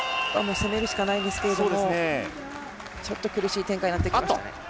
攻めるしかないですがちょっと苦しい展開になってきましたね。